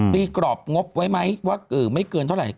กรอบงบไว้ไหมว่าไม่เกินเท่าไหร่